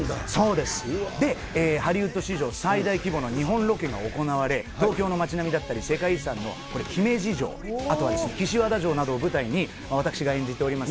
で、ハリウッド史上最大規模の日本ロケが行われ、東京の街並みだったり、世界遺産のこれ、姫路城、あとは岸和田城などを舞台に、私が演じております